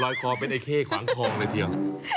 ลอยคอเป็นไอเค้ขวางคองเลยเทียม